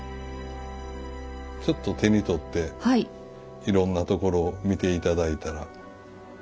ちょっと手に取っていろんなところを見て頂いたら。